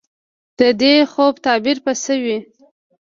د دې خوب تعبیر به څه وي ؟